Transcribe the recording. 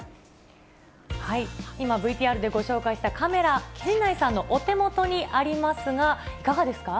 今、ＶＴＲでご紹介したカメラ、陣内さんのお手元にありますが、いかがですか。